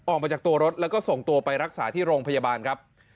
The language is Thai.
ออกมาจากตัวรถแล้วก็ส่งตัวไปรักษาที่โรงพยาบาลครับ